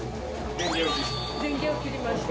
電源を切りました。